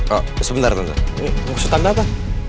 oh sebentar tante ini maksud tante apa